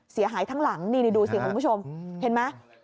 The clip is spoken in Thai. เสียหายทั้งหลังนี่ดูเสียงของคุณผู้ชม